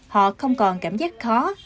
họ không còn cảm giác khó